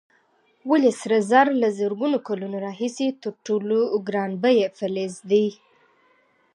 ولې سره زر له زرګونو کلونو راهیسې تر ټولو ګران بیه فلز دی؟